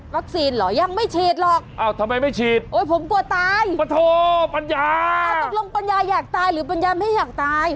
เหรอยังไม่ฉีดหรอกอ้าวทำไมไม่ฉีดโอ้ยผมกลัวตายปะโทปัญญาตกลงปัญญาอยากตายหรือปัญญาไม่อยากตาย